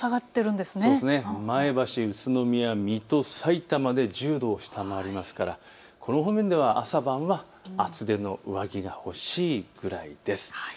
前橋、宇都宮、水戸、さいたまで１０度を下回りますからこの分では朝晩は厚手の上着が欲しいくらいです。